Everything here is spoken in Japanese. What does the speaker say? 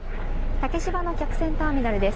竹芝の客船ターミナルです。